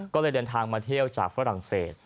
ก็เลยเดินทางมาเที่ยวจากฝรั่งเศส